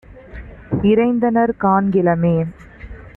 இறைத்தனர் காண்கிலமே.